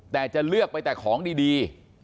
แต่จะเลือกไปแต่ของดี